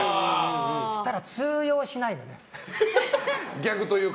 そうしたら、通用しないのね。